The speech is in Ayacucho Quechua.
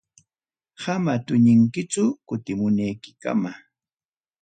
Amam tuñinkichu, kutimunaykama.